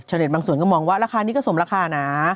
บางส่วนก็มองว่าราคานี้ก็สมราคานะ